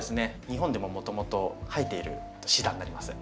日本でももともと生えているシダになります。